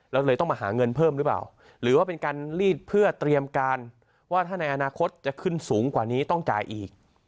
เราเลยต้องมาหาเงินเพิ่มหรือเปล่าหรือว่าเป็นการลีดเพื่อเตรียมการว่าถ้าในอนาคตจะขึ้นสูงกว่านี้ต้องจ่ายอีก